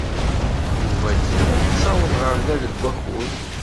Yuba dima yettaweḍ ɣer da deg wakud.